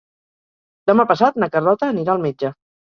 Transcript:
Demà passat na Carlota anirà al metge.